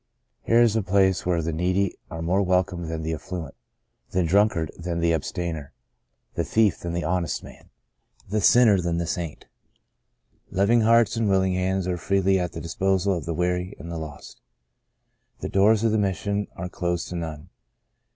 Here is a place where the needy are more welcome than the af fluent, the drunkard than the abstainer, the thief than the honest man, the sinner than the The Greatest of These 1 7 saint. Loving hearts and willing hands are freely at the disposal of the weary and the lost. The doors of the Mission are closed to none.